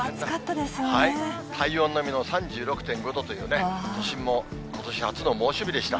体温並みの３６．５度というね、都心もことし初の猛暑日でした。